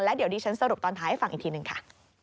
เดี๋ยวดิฉันสรุปตอนท้ายให้ฟังอีกทีหนึ่งค่ะ